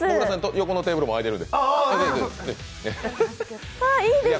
横のテーブルもあいてるんで。